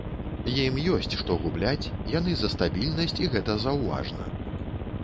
Ім ёсць што губляць, яны за стабільнасць, і гэта заўважна.